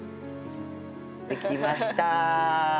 できました！